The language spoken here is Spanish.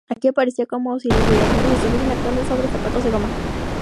Aquí parecía como si los bailarines estuviesen actuando sobre zapatos de goma.